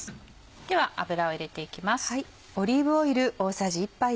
では油を入れていきます。